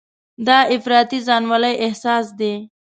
دا افراطي ځانولۍ احساس دی.